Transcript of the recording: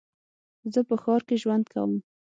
زه په ښار کې ژوند کوم.